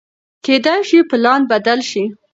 کېدای شي پلان بدل شي.